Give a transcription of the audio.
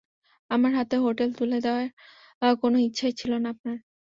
আমার হাতে হোটেল তুলে দেওয়ার কোনো ইচ্ছাই ছিলো না আপনার!